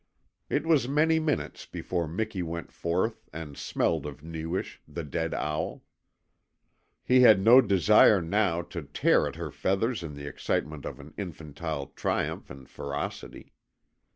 It was many minutes before Miki went forth and smelled of Newish, the dead owl. He had no desire now to tear at her feathers in the excitement of an infantile triumph and ferocity.